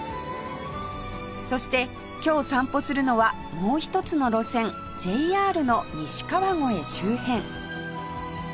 そして今日散歩するのはもう１つの路線 ＪＲ の西川越周辺